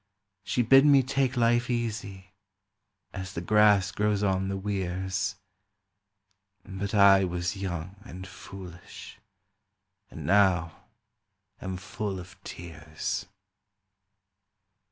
She bid me take life easy, as the grass grows on the weirs; But I was young and foolish, and now am full of tears.